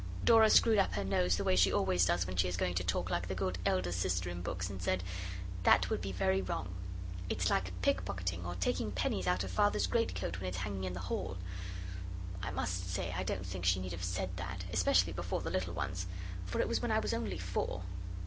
Dora screwed up her nose the way she always does when she is going to talk like the good elder sister in books, and said, 'That would be very wrong: it's like pickpocketing or taking pennies out of Father's great coat when it's hanging in the hall.' I must say I don't think she need have said that, especially before the little ones for it was when I was only four.